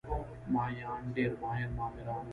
مایان ډېر ماهر معماران وو.